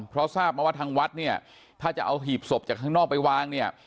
เพราะทราบมาว่าทางวัดเนี่ยถ้าจะเอาหีบศพจากข้างนอกไปวางเนี่ย